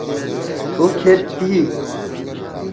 تھو کھیدیک تھی؟